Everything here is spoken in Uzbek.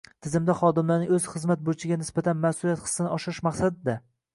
Tizimda xodimlarning o‘z xizmat burchiga nisbatan mas’uliyat hissini oshirish maqsadida